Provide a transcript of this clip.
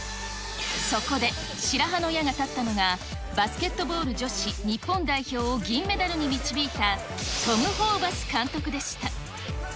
そこで、白羽の矢が立ったのが、バスケットボール女子日本代表を銀メダルに導いた、トム・ホーバス監督でした。